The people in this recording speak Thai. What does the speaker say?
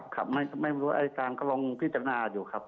ครับไม่รู้อายการก็ลองพิจารณาอยู่ครับ